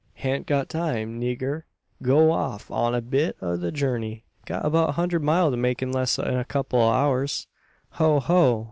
"Han't got time, nigger. Goin' off on a bit o' a jurney. Got abeout a hunderd mile to make in less 'an a kupple o' hours." "Ho! ho!